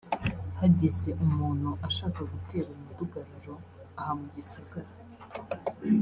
Hagize umuntu ashaka gutera umudugararo aha mu gisagara